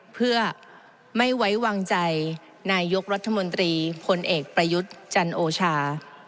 เพื่อไม่ไว้วางใจนายกรัฐมนตรีพลเอกประยุทธ์จันโอชา